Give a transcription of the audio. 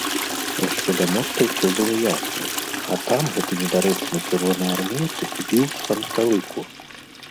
Яшчэ да моста ўсё было ясна, а там гэты недарэчны чырвонаармеец збіў з панталыку.